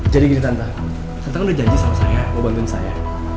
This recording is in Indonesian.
jadi gini tante tante kan udah janji sama saya mau bantuin saya